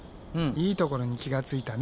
いいところに気がついたね。